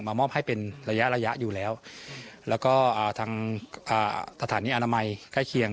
มอบให้เป็นระยะระยะอยู่แล้วแล้วก็ทางสถานีอนามัยใกล้เคียง